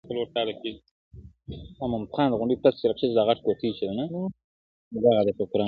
o بحث لا هم دوام لري تل,